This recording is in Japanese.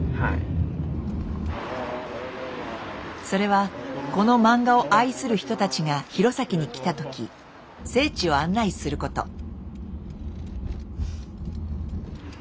それはこの漫画を愛する人たちが弘前に来た時聖地を案内すること。